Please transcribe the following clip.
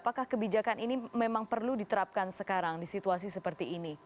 apakah kebijakan ini memang perlu diterapkan sekarang di situasi seperti ini